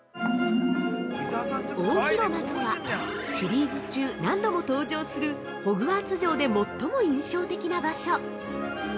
◆大広間とは、シリーズ中何度も登場する、ホグワーツ城で最も印象的な場所。